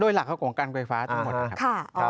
โดยหลักก็ของการไฟฟ้าทั้งหมด